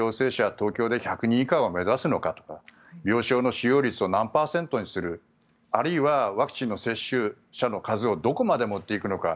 東京で１００人以下を目指すのかとか病床の使用率を何パーセントにするあるいはワクチンの接種者の数をどこまで持っていくのか。